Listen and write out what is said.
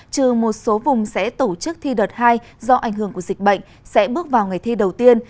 trừ một số vùng sẽ tổ chức thi đợt hai do ảnh hưởng của dịch bệnh sẽ bước vào ngày thi đầu tiên